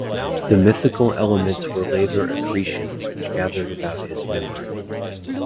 The mythical elements were later accretions which gathered about his memory.